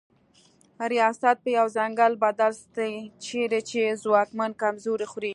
ریاست په یو ځنګل بدل سي چیري چي ځواکمن کمزوري خوري